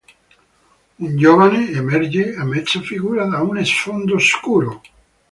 Un giovane emerge a mezza figura da uno sfondo scuro.